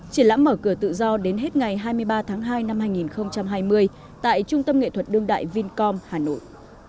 triển lãm mở cửa tự do đến hết ngày hai mươi ba tháng hai năm hai nghìn hai mươi tại trung tâm nghệ thuật đương đại vincom hà nội